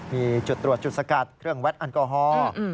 มีจุดตรวจจุดสกัดเครื่องวัดแอลกอฮอล์